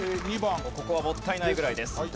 ここはもったいないぐらいです。